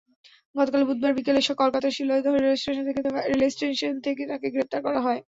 গতকাল বুধবার বিকেলে কলকাতার শিয়ালদহ রেলস্টেশন থেকে তাঁকে গ্রেপ্তার করা হয়।